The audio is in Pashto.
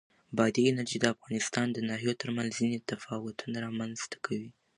بادي انرژي د افغانستان د ناحیو ترمنځ ځینې تفاوتونه رامنځ ته کوي.